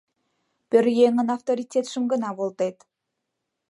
Пӧръеҥын авторитетшым гына волтет.